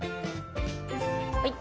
はい。